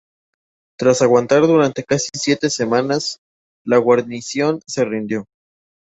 Tras aguantar durante casi siete semanas, la guarnición se rindió.